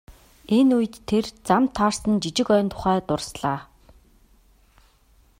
Энэ үед тэр замд таарсан жижиг ойн тухай дурслаа.